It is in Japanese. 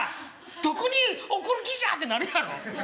「どこに送る気じゃ」ってなるやろ。